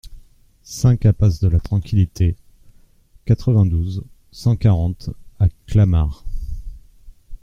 cinq impasse de la Tranquilité, quatre-vingt-douze, cent quarante à Clamart